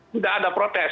tidak ada protes